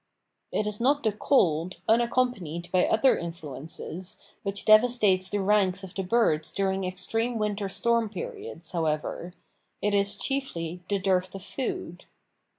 It is not the cold, unaccompanied by other influences, which devastates the ranks of the birds during extreme winter storm periods, however; it is, chiefly, the dearth of food.